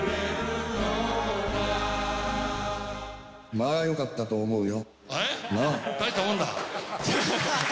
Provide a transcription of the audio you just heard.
まあ、よかったと思うよ。